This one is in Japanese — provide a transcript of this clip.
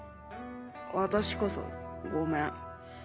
私こそごめん。